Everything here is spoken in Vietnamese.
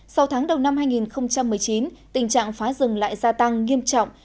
sau tháng đầu năm hai nghìn một mươi chín tình trạng phá rừng lại gia tăng nghiêm trọng